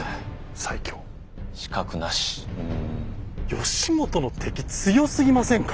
義元の敵強すぎませんか？